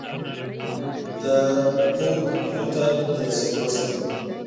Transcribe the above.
د اود پولو ته له رسېدلو سره.